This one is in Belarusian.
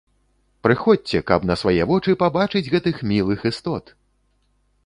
Прыходзьце, каб на свае вочы пабачыць гэтых мілых істот!